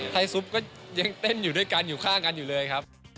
ซุปก็ยังเต้นอยู่ด้วยกันอยู่ข้างกันอยู่เลยครับ